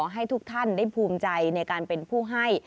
ให้ทุกท่านได้ภูมิใจในการเป็นผู้ให้